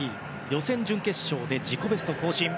予選、準決勝で自己ベスト更新。